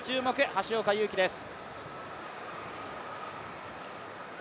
橋岡優輝です。